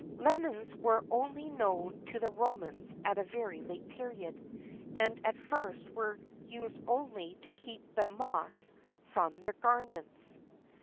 [XIII 30] Lemons were only known to the Romans at a very late period, and at first were used only to keep the moths from their garments.